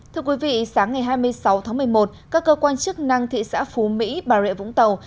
thưa quý vị sáng ngày hai mươi sáu tháng một mươi một các cơ quan chức năng thị xã phú mỹ bà rịa vũng tàu